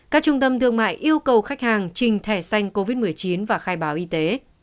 các trung tâm thương mại yêu cầu khách hàng trình thẻ xanh covid một mươi chín và khai báo y tế